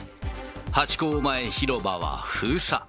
ハチ公前広場は封鎖。